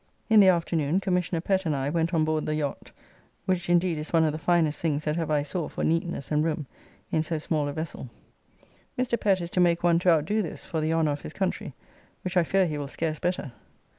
In the afternoon Commissioner Pett and I went on board the yacht, which indeed is one of the finest things that ever I saw for neatness and room in so small a vessel. Mr. Pett is to make one to outdo this for the honour of his country, which I fear he will scarce better.